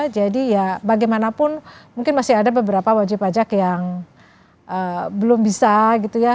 jadi ya bagaimanapun mungkin masih ada beberapa wajib pajak yang belum bisa gitu ya